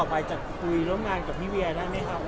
ไปจะคุยร่วมงานกับพี่เวียได้ไหมครับ